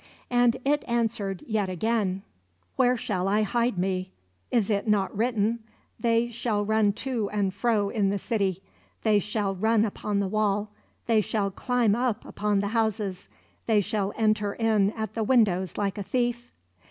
And It answered yet again: "Where shall I hide me? Is it not written: 'They shall run to and fro in the city; they shall run upon the wall; they shall climb up upon the houses; they shall enter in at the windows like a thief?'